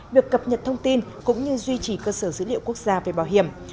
việc cập nhật thông tin cũng như duy trì cơ sở dữ liệu quốc gia về bảo hiểm